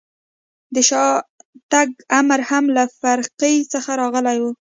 د شاتګ امر هم له فرقې څخه راغلی و.